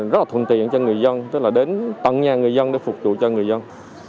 rất là thuận tiện cho người dân tức là đến tận nhà người dân để phục vụ cho người dân